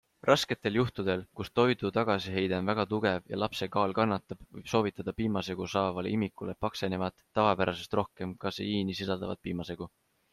Rasketel juhtudel, kus toidu tagasiheide on väga tugev ja lapse kaal kannatab, võib soovitada piimasegu saavale imikule paksenevat, tavapärasest rohkem kaseiini sisaldavat piimasegu.